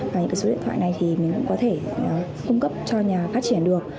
và những cái số điện thoại này thì mình cũng có thể cung cấp cho nhà phát triển được